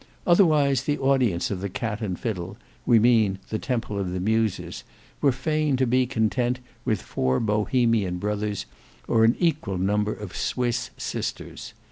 Otherwise the audience of the Cat and Fiddle, we mean the Temple of the Muses, were fain to be content with four Bohemian brothers, or an equal number of Swiss sisters.